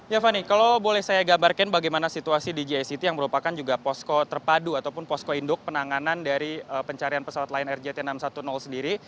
ya fani kalau boleh saya gambarkan bagaimana situasi di gict yang merupakan juga posko terpadu ataupun posko induk penanganan dari pencarian pesawat lion air jt enam ratus sepuluh sendiri